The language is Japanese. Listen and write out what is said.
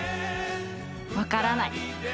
分からない。